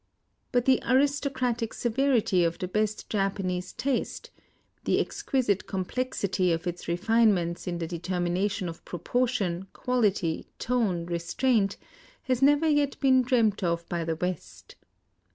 But the aris tocratic severity of the best Japanese taste — the exquisite complexity of its refinements in the determination of proportion, quality, tone, restraint — has never yet been dreamed of by the West.